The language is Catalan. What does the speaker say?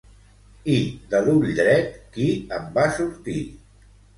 I de l'ull dret qui en va sortir?